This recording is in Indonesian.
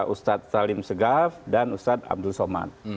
ustadz salim segaf dan ustadz abdul somad